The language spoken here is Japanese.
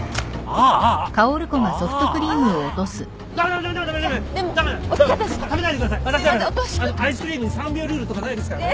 アイスクリームに３秒ルールとかないですからね。